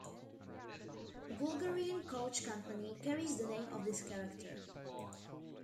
A Bulgarian coach company carries the name of this character.